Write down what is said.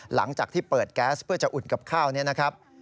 หลังจากที่เปิดแก๊สเพื่อจะอุ่นกับข้าวนี้นะครับ